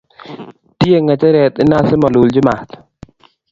Tie ngecheret inat simalulchi mat